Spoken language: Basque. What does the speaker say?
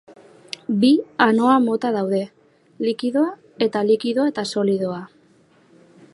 Bi anoa mota daude: likidoa, eta likidoa eta solidoa.